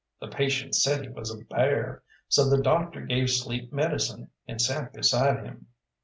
The patient said he was a bear, so the doctor gave sleep medicine, and sat beside him.